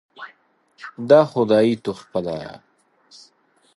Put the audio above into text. دا خدایي تحفه ده .